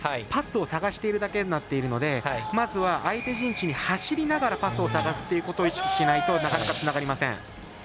パスを探しているだけになっているのでまずは、相手陣地に走りながらパスを探すということを意識しないとなかなかつながりません。